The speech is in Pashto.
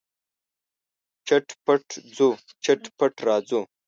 چټ پټ ځو، چټ پټ راځو.